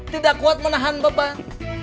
tidak kuat menahan beban